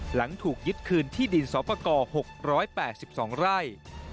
หลังถูกยึดคืนที่ดินสอปกร๖๘๒ไร่